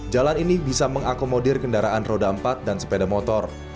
jalan ini bisa mengakomodir kendaraan roda empat dan sepeda motor